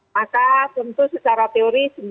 maka tentu secara teori